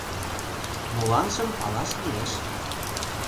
Моланжым палаш лиеш.